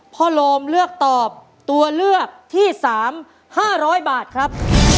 โลมเลือกตอบตัวเลือกที่๓๕๐๐บาทครับ